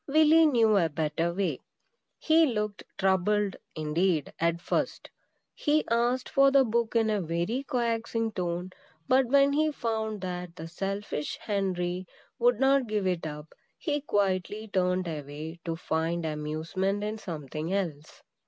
Willy knew a better way. He looked troubled, indeed, at first. He asked for the book in a very coaxing tone; but when he found that the selfish Henry would not give it up, he quietly turned away to find amusement in something else.